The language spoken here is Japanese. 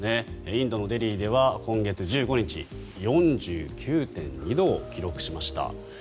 インドのデリーでは今月１５日４９．２度を記録しました。